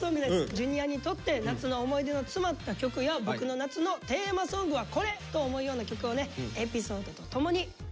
Ｊｒ．にとって夏の思い出の詰まった曲や「『ボクの夏テーマソング』はこれ！」と思うような曲をねエピソードとともに聞いていきたいと思います。